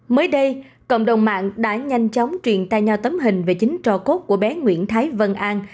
mới đây cộng đồng mạng đã nhanh chóng truyền tay nhau tấm hình về chính cho cốt của bé nguyễn thái vân an